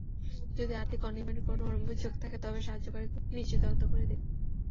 যদি আর্থিক অনিয়মের কোনো অভিযোগ থাকে, তবে সাহায্যকারীরা নিশ্চয়ই তদন্ত করে দেখবেন।